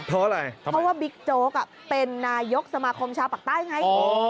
เพราะว่าบิ๊กโจ๊กกะเป็นนายกสมาคมชาวปากใต้ไง